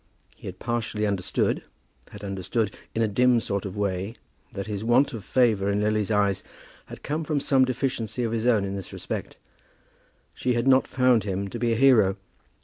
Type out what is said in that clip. He had partially understood, had understood in a dim sort of way, that his want of favour in Lily's eyes had come from some deficiency of his own in this respect. She had not found him to be a hero.